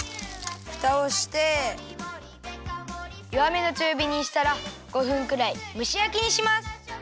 ふたをしてよわめのちゅうびにしたら５分くらいむしやきにします。